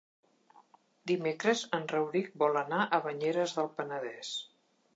Dimecres en Rauric vol anar a Banyeres del Penedès.